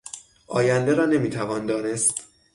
آینده را نمیتوان دانست.